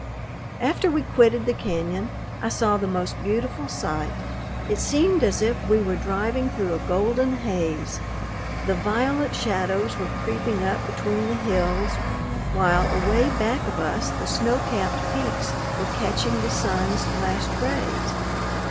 After we quitted the cañon I saw the most beautiful sight. It seemed as if we were driving through a golden haze. The violet shadows were creeping up between the hills, while away back of us the snow capped peaks were catching the sun's last rays.